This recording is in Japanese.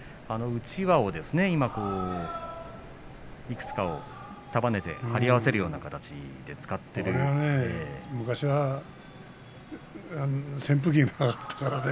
うちわをいくつか束ねて貼り合わせるような形で使っていますね。